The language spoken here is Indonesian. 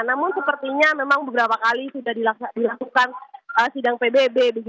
namun sepertinya memang beberapa kali sudah dilakukan sidang pbb